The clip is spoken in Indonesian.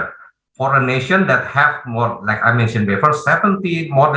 untuk negara negara yang memiliki seperti yang saya sebutkan sebelumnya